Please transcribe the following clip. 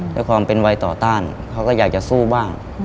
ด้วยความเป็นวัยต่อต้านเขาก็อยากจะสู้บ้าง